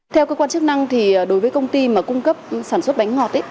theo cơ quan chức năng đối với công ty cung cấp sản xuất bánh ngọt